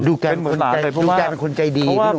ลูกแกคนใจดี